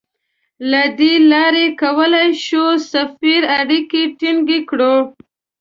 له دې لارې کولای شو سفري اړیکې ټینګې کړو.